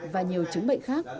và nhiều chứng bệnh khác